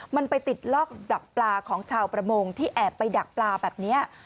มันไปติดลอกดักปลาของชาวประมงที่แอบไปดักปลาแบบนี้